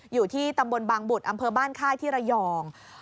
อยู่ที่ตำบลบางบุตรอำเภอบ้านค่ายที่ระยอง